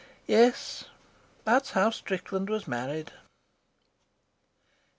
"Yes, that's how Strickland was married."